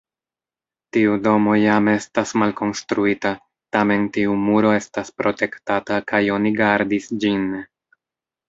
Tiu domo jam estas malkonstruita, tamen tiu muro estas protektata kaj oni gardis ĝin.